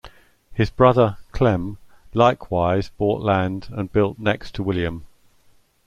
His brother, Clem, likewise bought land and built next to William.